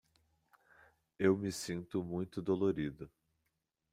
Eu me sinto muito dolorido.